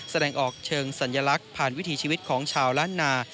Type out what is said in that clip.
แสดงออกเชิงสัญลักษณ์ผ่านวิถีชีวิตของชาวล้านนา